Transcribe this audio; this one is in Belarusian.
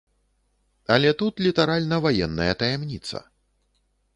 Але тут літаральна ваенная таямніца.